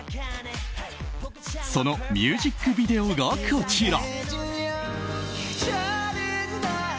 そのミュージックビデオがこちら。